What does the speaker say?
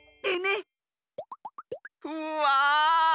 うわ！